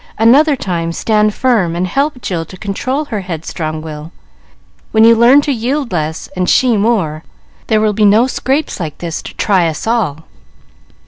Another time, stand firm and help Jill to control her headstrong will. When you learn to yield less and she more, there will be no scrapes like this to try us all."